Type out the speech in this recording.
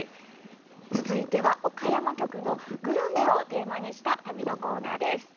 続いては岡山局のグルメをテーマにした旅のコーナーです。